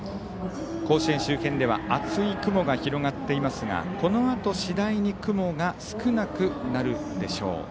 甲子園周辺では厚い雲が広がっていますがこのあと次第に雲が少なくなるでしょう。